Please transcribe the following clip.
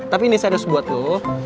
tapi ini serius buat lu